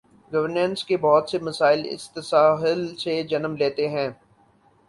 Governance کے بہت سے مسائل اس تساہل سے جنم لیتے ہیں۔